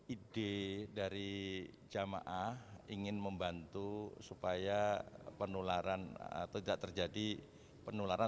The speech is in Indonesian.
ide dari jamaah ingin membantu supaya penularan atau tidak terjadi penularan